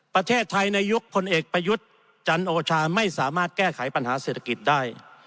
ประเทศไทยในยุคพลเอกประยุทธ์จันโอชาไม่สามารถแก้ไขปัญหาเศรษฐกิจได้